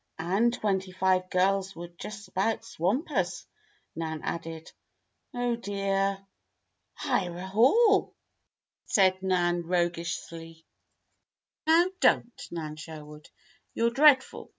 "And twenty five girls would just about swamp us," Nan added. "Oh, dear!" "Hire a hall?" suggested Nan, roguishly. "Now, don't, Nan Sherwood! You're dreadful!"